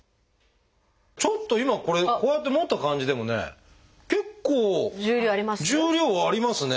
ちょっと今これこうやって持った感じでもね結構重量ありますね。